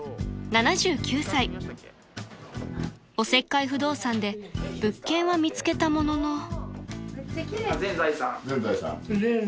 ［おせっかい不動産で物件は見つけたものの］